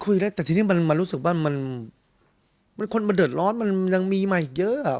คุยเล่นแต่ทีนี้มันรู้สึกว่าคนมันเดินร้อนมันยังมีมาอีกเยอะ